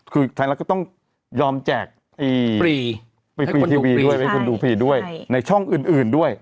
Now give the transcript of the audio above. คือไทยรัฐก็ต้องยอมแจกฟรีทีวีด้วยให้คุณดูฟรีด้วยในช่องอื่นด้วย